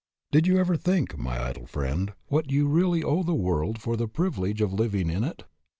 Did you ever think, my idle friend, what you really owe the world for the privilege of living in it?